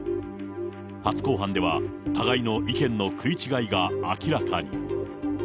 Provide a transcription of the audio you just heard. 初公判では、互いの意見の食い違いが明らかに。